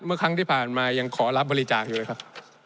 เมื่อครั้งที่ผ่านมายังขอรับบริจาคอยู่เลยครับ